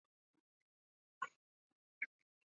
建在日内瓦湖流入罗讷河之处。